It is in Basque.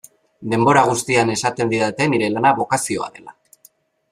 Denbora guztian esaten didate nire lana bokazioa dela.